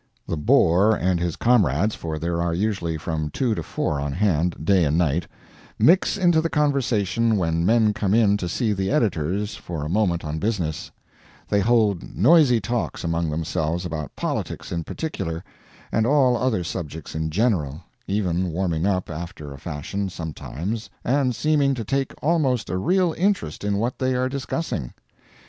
The bore and his comrades for there are usually from two to four on hand, day and night mix into the conversation when men come in to see the editors for a moment on business; they hold noisy talks among themselves about politics in particular, and all other subjects in general even warming up, after a fashion, sometimes, and seeming to take almost a real interest in what they are discussing.